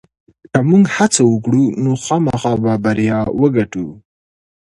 که موږ هڅه وکړو نو خامخا به بریا وګټو.